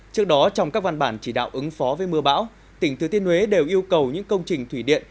trước đó trong các văn bản chỉ đạo ứng phó với mưa bão tỉnh thừa tiên huế đều yêu cầu những công trình thủy điện